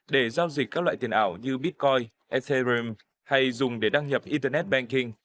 để giao dịch các loại tiền ảo như bitcoin etherem hay dùng để đăng nhập internet banking